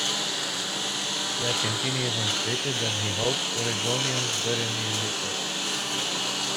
Piacentini even stated that he hoped Oregonians bury me in litter.